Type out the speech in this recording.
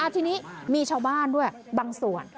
ทีนี้มีชาวบ้านด้วยบางส่วน